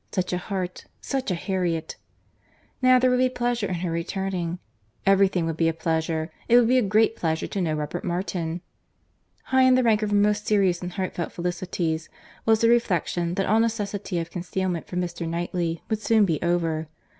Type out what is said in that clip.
Such a heart—such a Harriet! Now there would be pleasure in her returning—Every thing would be a pleasure. It would be a great pleasure to know Robert Martin. High in the rank of her most serious and heartfelt felicities, was the reflection that all necessity of concealment from Mr. Knightley would soon be over.